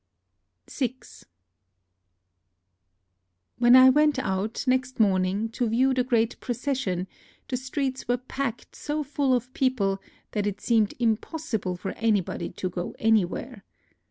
VI When I went out, next morning, to view the great procession, the streets were packed so full of people that it seemed impossible for anybody to go anywhere.